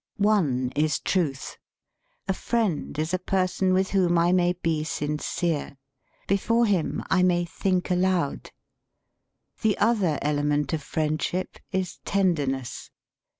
One is Truth. A friend is a person with whom I may be sincere. Before him I may think aloud. ... The other element of friendship is Tenderness.